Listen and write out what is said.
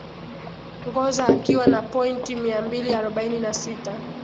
ngoza akiwa na pointi mia mbili arobaini na sita